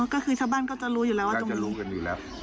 ก็คือชาวบ้านก็จะรู้อยู่แล้วว่าตรงนี้รู้กันอยู่แล้ว